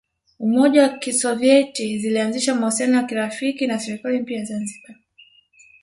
Umoja wa Kisovyeti zilianzisha mahusiano ya kirafiki na serikali mpya ya Zanzibar